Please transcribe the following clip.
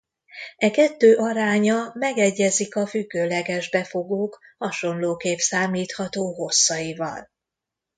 E kettő aránya megegyezik a függőleges befogók hasonlóképp számítható hosszaival.